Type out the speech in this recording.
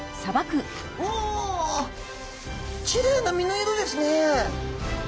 おおきれいな身の色ですね。